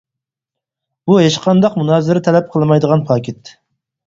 بۇ ھېچقانداق مۇنازىرە تەلەپ قىلمايدىغان پاكىت.